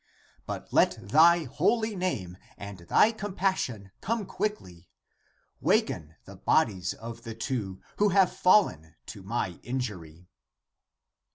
But let thy holy name and thy compassion come quickly! Waken the bodies of the two, who have fallen to my in jury."